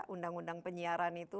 undang undang penyiaran itu